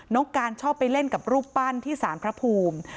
น้องการชอบไปเล่นกับรูปปั้นที่สารพระภูมิ